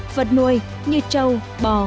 vật nuôi như trâu bò